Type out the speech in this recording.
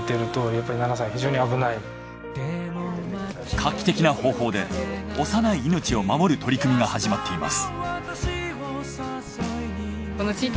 画期的な方法で幼い命を守る取り組みが始まっています。